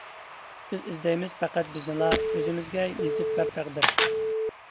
بىز ئىزدەيمىز پەقەت بىزنىلا، ئۆزىمىزگە يېزىپ بىر تەقدىر.